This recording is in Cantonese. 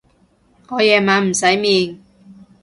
我夜晚唔使面